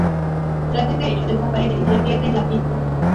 Tras este hecho desaparece y se le pierde la pista.